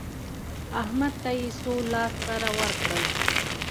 احمد ته يې څو لاس سره ورکړل؟